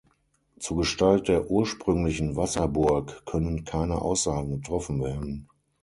Zur Gestalt der ursprünglichen Wasserburg können keine Aussagen getroffen werden.